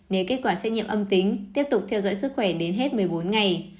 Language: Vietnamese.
nếu kết quả xét nghiệm âm tính tiếp tục theo dõi sức khỏe đến hết một mươi bốn ngày